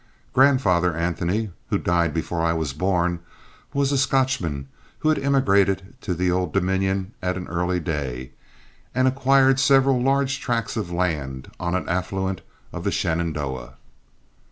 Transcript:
Grandfather Anthony, who died before I was born, was a Scotchman who had emigrated to the Old Dominion at an early day, and acquired several large tracts of land on an affluent of the Shenandoah.